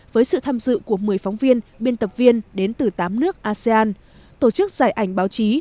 với sự tham dự của một mươi phóng viên biên tập viên đến từ tám nước asean tổ chức giải ảnh báo chí